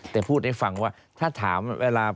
แต่พูดให้ฟังว่าถ้าถามเวลา